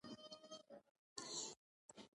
هغه ﷺ رښتینی، مهربان او بردباره و.